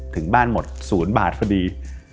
ถึงบ้านหมด๐บาทพอดี